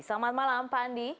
selamat malam pak andi